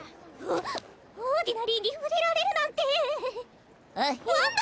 オーディナリーに触れられるなんてあひんワンダ！